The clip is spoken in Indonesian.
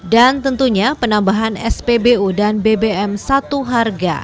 dan tentunya penambahan spbu dan bbm satu harga